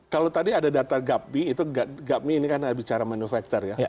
kalau tadi ada data gapmi itu gapmi ini kan bicara manufacturer ya